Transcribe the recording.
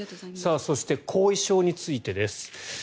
そして後遺症についてです。